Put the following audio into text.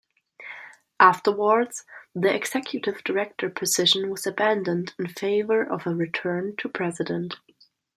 Afterwards, the Executive Director position was abandoned in favor of a return to "President".